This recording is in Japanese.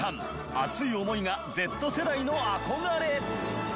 熱い思いがＺ世代の憧れ！